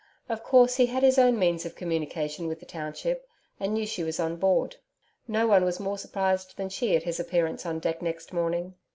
Of course he had his own means of communication with the township, and knew she was on board. No one was more surprised than she at his appearance on deck next morning.